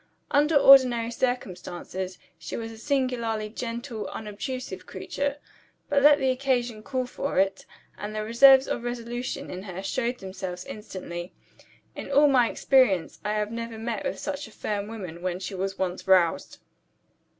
Under ordinary circumstances, she was a singularly gentle, unobtrusive creature. But let the occasion call for it, and the reserves of resolution in her showed themselves instantly. In all my experience I have never met with such a firm woman, when she was once roused.